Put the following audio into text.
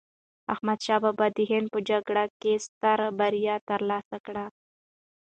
احمد شاه بابا د هند په جګړو کې یې سترې بریاوې ترلاسه کړې.